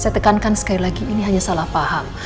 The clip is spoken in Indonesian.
saya tekankan sekali lagi ini hanya salah paham